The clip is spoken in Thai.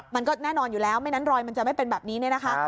มันก็แน่นอนอยู่แล้วไม่งั้นรอยมันจะไม่เป็นแบบนี้เนี่ยนะคะ